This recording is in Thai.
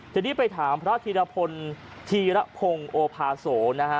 ทีนี้ไปถามพระธีรพลธีรพงศ์โอภาโสนะฮะ